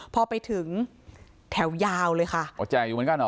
พอไปถึงแถวยาวเลยค่ะอ๋อแจกอยู่เหมือนกันเหรอ